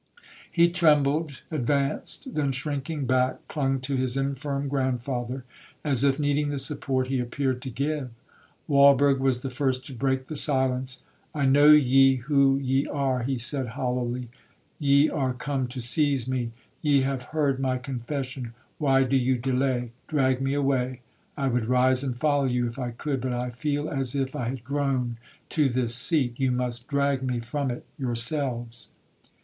He trembled, advanced,—then shrinking back, clung to his infirm grandfather, as if needing the support he appeared to give. Walberg was the first to break the silence. 'I know ye who ye are,' he said hollowly—'ye are come to seize me—ye have heard my confession—why do you delay? Drag me away—I would rise and follow you if I could, but I feel as if I had grown to this seat—you must drag me from it yourselves.